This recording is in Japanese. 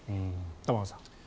玉川さん。